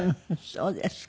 そうですね。